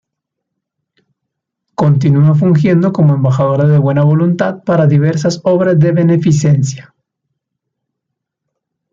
Continúa fungiendo como embajadora de buena voluntad para diversas obras de beneficencia.